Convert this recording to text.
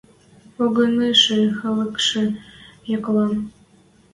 Погынышы халыкшы Яколан: